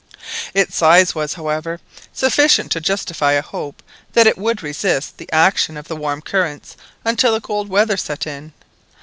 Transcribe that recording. Its size was, however, sufficient to justify a hope that it would resist the action of the warm currents until the cold weather set in.